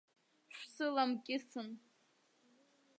Шәсыламкьысын.